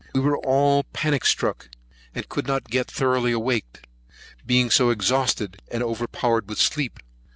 We were all panic struck, and could not get thoroughly awaked, being so exhausted, and overpowered with sleep.